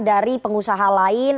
dari pengusaha lain